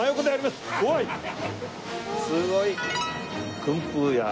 すごい。